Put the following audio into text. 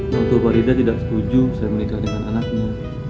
tentu farida tidak setuju saya menikah dengan anaknya